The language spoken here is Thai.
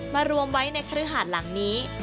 มารวมไว้ในคฤหาดหลังนี้